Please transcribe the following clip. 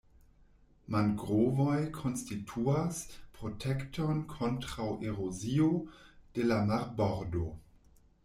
Mangrovoj konstituas protekton kontraŭ erozio de la marbordo.